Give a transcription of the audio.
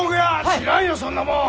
知らんよそんなもん！